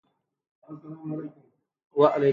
يوه ورځ يې کوم غرني ځوان ته د بنګو اوبه ورکړې وې.